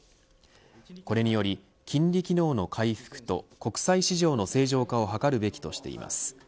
これにより金利機能の回復と国債市場の正常化を図るべきとしています。